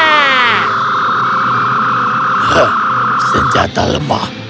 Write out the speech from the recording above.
hah senjata lemah